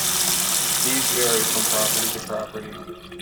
These vary from property to property.